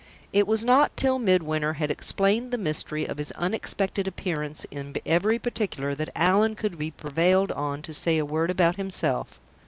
It was not till Midwinter had explained the mystery of his unexpected appearance in every particular that Allan could be prevailed on to say a word about himself.